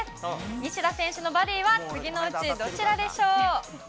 西田選手のバディは次のうちどちらでしょう。